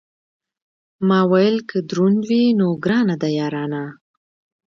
ما ویل که دروند وي، نو ګرانه ده یارانه.